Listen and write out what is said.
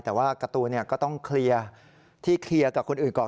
แต่ว่าการ์ตูนก็ต้องเคลียร์ที่เคลียร์กับคนอื่นก่อน